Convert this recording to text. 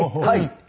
はい。